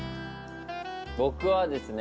僕はですね